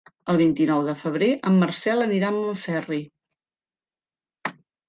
El vint-i-nou de febrer en Marcel anirà a Montferri.